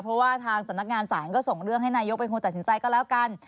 เพราะว่าทางสำนักงานศาลก็ส่งเรื่องให้นายกเป็นคนตัดสินใจก็แล้วกัน